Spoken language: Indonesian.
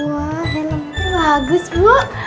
wah helmnya bagus bu